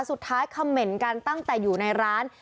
สุดท้ายคำเม้นกันตั้งแต่อยู่ในร้าน